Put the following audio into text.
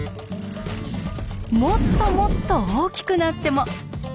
もっともっと大きくなっても。